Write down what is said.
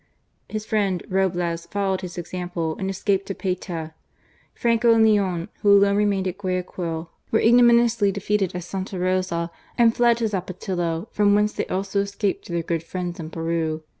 His friend, Roblez, followed his example and escaped to Payta. Franco and Leon, who alone remained at Guayaquil, were igno ONE AGAINST ALL. 153 miniously defeated at Sta. Rosa and fled to Xapo tillo, from whence they also escaped to their good friends in Peru.